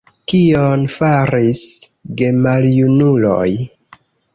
Kion faris gemaljunuloj?